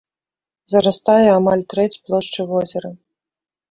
Зарастае амаль трэць плошчы возера.